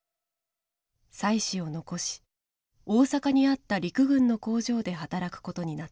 妻子を残し大阪にあった陸軍の工場で働くことになった。